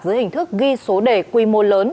dưới hình thức ghi số đề quy mô lớn